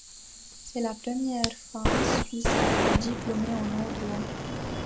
C'est la première femme suisse à être diplômée en droit.